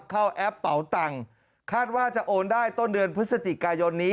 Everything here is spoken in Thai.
แอปเป๋าตังค์คาดว่าจะโอนได้ต้นเดือนพฤศจิกายนนี้